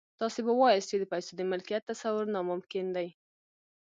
تاسې به واياست چې د پيسو د ملکيت تصور ناممکن دی.